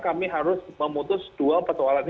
kami harus memutus dua persoalan ini